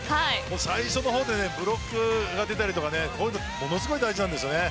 最初の方でブロックが出たりとかものすごい大事なんですよね。